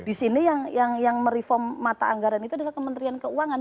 di sini yang mereform mata anggaran itu adalah kementerian keuangan